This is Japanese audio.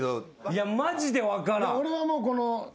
いやマジで分からん。